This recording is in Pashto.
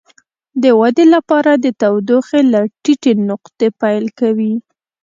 د ودې لپاره د تودوخې له ټیټې نقطې پیل کوي.